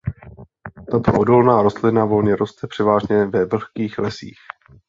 Tato odolná rostlina volně roste převážně ve vlhkých lesích.